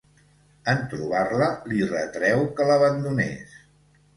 En trobar-la li retreu que l'abandonés.